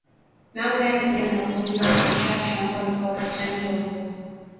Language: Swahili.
Namna ya kukabiliana na ugonjwa wa kichaa cha mbwa ni kuwapa chanjo mbwa